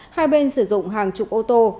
hai bên sử dụng hàng chục ô tô